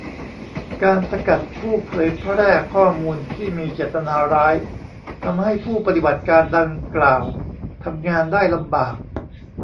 การสกัดผู้เผยแพร่ข้อมูลที่มีเจตนาร้าย ทำให้ผู้ปฏิบัติการดังกล่าวทำงานได้ลำบาก